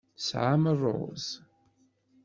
Tesɛam ṛṛuz?